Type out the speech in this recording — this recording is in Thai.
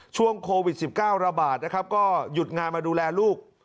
ช่วงโควิด๑๙ระบาดนะครับก็หยุดงานมาดูแลลูก